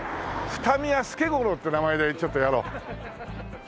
二見屋助五郎って名前でちょっとやろう。